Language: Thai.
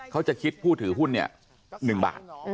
เขาจะคิดผู้ถือหุ้น๑บาท